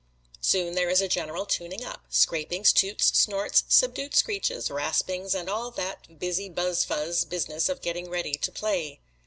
Soon there is a general tuning up scrapings, toots, snorts, subdued screeches, raspings, and all that busy buzz fuzz business of getting ready to play.